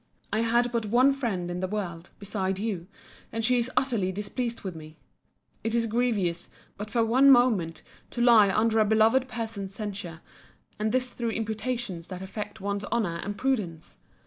I had but one friend in the world, beside you; and she is utterly displeased with me.* It is grievous, but for one moment, to lie under a beloved person's censure; and this through imputations that affect one's honour and prudence.